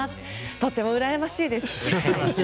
とてもうらやましいです。